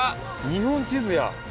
日本地図や。